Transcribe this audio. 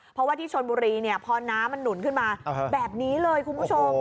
เพราะว่าที่ชนบุรีพอน้ำมันหนุนขึ้นมาแบบนี้เลยคุณผู้ชม